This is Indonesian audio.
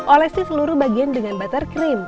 olesi seluruh bagian dengan buttercream